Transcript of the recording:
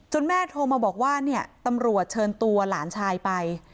แม่โทรมาบอกว่าเนี่ยตำรวจเชิญตัวหลานชายไป